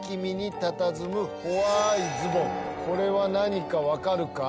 これは何か分かるか？